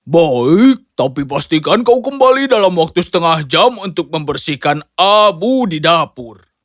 baik tapi pastikan kau kembali dalam waktu setengah jam untuk membersihkan abu di dapur